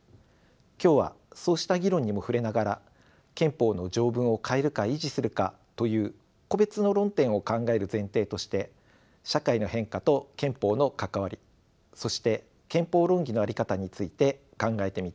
今日はそうした議論にも触れながら憲法の条文を変えるか維持するかという個別の論点を考える前提として社会の変化と憲法の関わりそして憲法論議の在り方について考えてみたいと思います。